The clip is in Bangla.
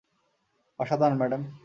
অসাধারণ, ম্যাডাম!